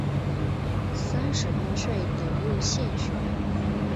三十多岁得入县学。